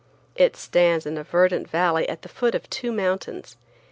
It stands in a verdant valley at the foot of two mountains.